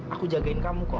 aku jagain kamu kok